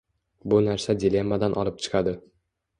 Bu narsa dilemmadan olib chiqadi.